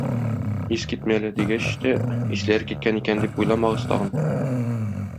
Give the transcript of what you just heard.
"Искитмәле" дигәч тә, исләре киткән икән дип уйламагыз тагын.